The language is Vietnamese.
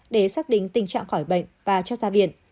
để xác định tình trạng khỏi bệnh và cho ra viện